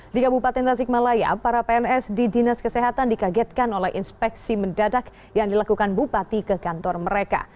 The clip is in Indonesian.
di kabupaten tasikmalaya para pns di dinas kesehatan dikagetkan oleh inspeksi mendadak yang dilakukan bupati ke kantor mereka